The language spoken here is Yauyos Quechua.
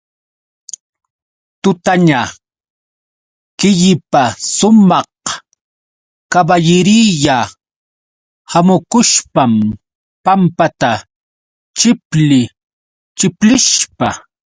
Tutaña killapa sumaq kaballiriya hamukushpam pampata chipli chiplishpa.